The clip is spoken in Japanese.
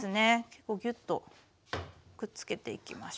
結構ギュッとくっつけていきましょう。